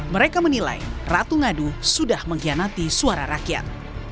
mereka menilai ratu ngadu sudah mengkhianati suara rakyat